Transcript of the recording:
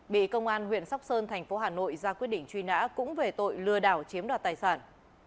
bị công an huyện sóc sơn thành phố hà nội ra quyết định truy nã cũng về tội lừa đảo chiếm đoạt tài sản